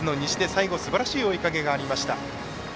最後すばらしい追いかけがありました。